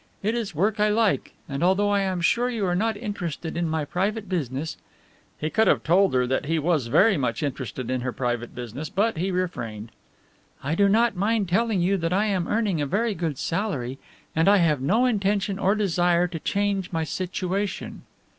It is work I like, and although I am sure you are not interested in my private business" he could have told her that he was very much interested in her private business, but he refrained "I do not mind telling you that I am earning a very good salary and I have no intention or desire to change my situation."